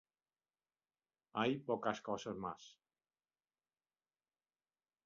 Hay pocas cosas más.